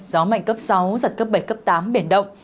gió mạnh cấp sáu giật cấp bảy cấp tám biển động